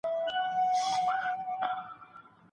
ړوند سړی څنګه له ږیري سره بې ډاره اتڼ کوي؟